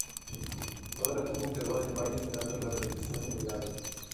Toda la tribu quedó en el valle esperando la realización del milagro.